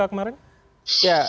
bagaimana menurut anda